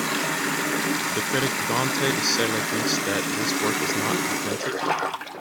The critic Dante Isella thinks that this work is not authentic.